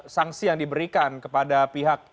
sanksi yang diberikan kepada pihak